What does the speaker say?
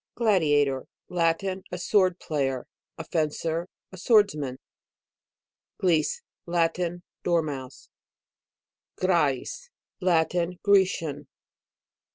GLADIATOR. Latin. A sword player, a fencer, a swords rnan. GLIS. Latin. Dormouse. GRMUS. Latin. Grecian.